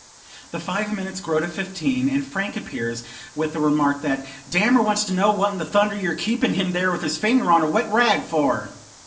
The five minutes grow to fifteen, and Frank appears, with the remark that, "Dammer wants to know what in thunder you are keeping him there with his finger on a wet rag for?"